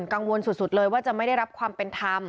กังวลสุดเลยว่าจะไม่ได้รับความเป็นธรรม